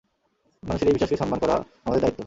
মানুষের এই বিশ্বাসকে সন্মান করা আমাদের দায়িত্ব।